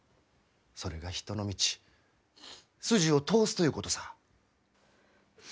それが人の道筋を通すということさぁ。